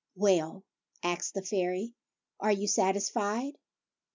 " Well," asked the fairy, " are you satisfied